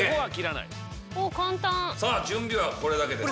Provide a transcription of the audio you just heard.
準備はこれだけです。